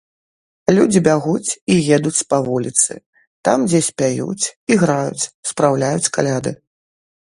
Людзі бягуць і едуць па вуліцы, там дзесь пяюць, іграюць, спраўляюць каляды.